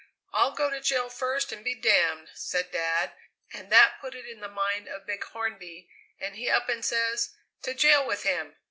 "'I'll go to jail first and be damned,' said Dad, and that put it in the mind of Big Hornby, and he up and says, 'To jail with him!'